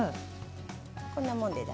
そんなもんで？